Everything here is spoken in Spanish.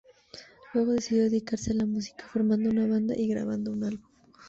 Luego decidió dedicarse a la música, formando una banda y grabando un álbum.